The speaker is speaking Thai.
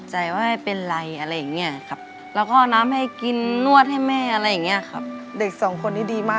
เห็นแม่สร้าวบ่อยไหม